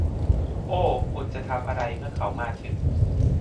โอ้คุณจะทำอะไรเมื่อเขามาถึง